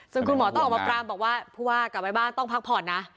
ซึ่งคุณหมอต้องออกมาปรามบอกว่าผู้ว่ากลับไปบ้านต้องพักผ่อนนะ